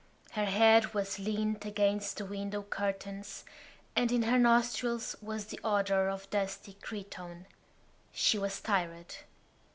Her head was leaned against the window curtains and in her nostrils was the odour of dusty cretonne. She was tired.